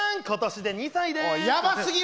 今年で２歳です。